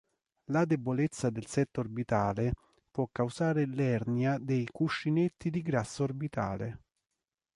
La debolezza del setto orbitale può causare l'ernia dei cuscinetti di grasso orbitale.